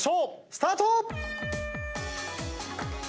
スタート！